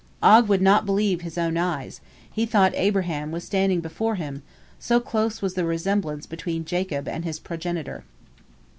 Og would not believe his own eyes, he thought Abraham was standing before him, so close was the resemblance between Jacob and his progenitor.